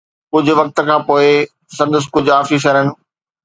ڪجهه وقت کان پوءِ سندس ڪجهه آفيسرن